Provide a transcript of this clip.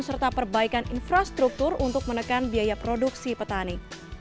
serta perbaikan infrastruktur untuk menekan biaya produksi petani